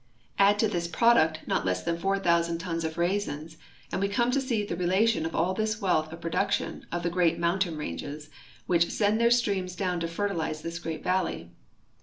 Add to this ]>roduct not less than 4,000 tons of raisins, and we come to see the rela tion of all this wealth of production of the great mountain ranges which send their streams down to fertilize this great valley.